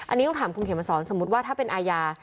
อันนี้ต้องถามคุณเขมสอนสมมุติว่าถ้าเป็นอาญา